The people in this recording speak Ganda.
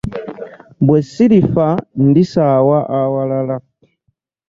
Bwesirifa ndi saawa awalala.